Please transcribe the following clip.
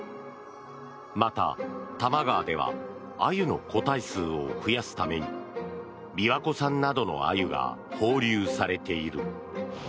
また多摩川ではアユの個体数を増やすために琵琶湖産などのアユが放流されている。